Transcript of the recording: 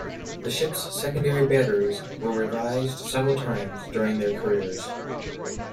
The ships' secondary batteries were revised several times during their careers.